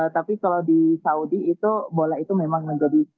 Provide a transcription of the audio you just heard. tapi kalau di saudi itu bola itu memang menjadi